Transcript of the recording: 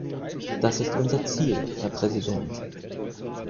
Das ist unser Ziel, Herr Präsident.